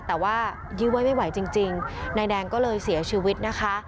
แต่ว่ายื้อไว้ไม่ไหวจริงนายแดงก็เลยเสียชีวิตนะคะ